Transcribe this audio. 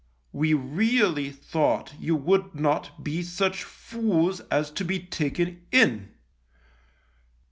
" We really thought you would not be such fools as to be taken in."